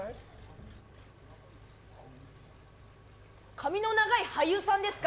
髪の長い俳優さんですか？